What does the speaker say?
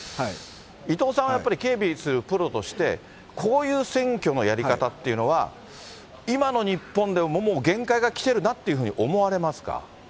伊藤さんはやっぱり、警備するプロとして、こういう選挙のやり方っていうのは、今の日本でもう限界が来てるなっていうふうに思われますか。